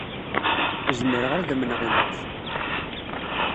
Ur zmireɣ ara ad amneɣ immut!